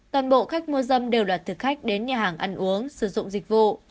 toàn bộ khách mua dâm đều là thực khách đến nhà hàng ăn uống sử dụng dịch vụ